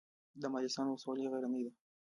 د مالستان ولسوالۍ غرنۍ ده